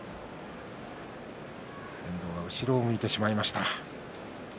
遠藤が後ろを向いてしまいました。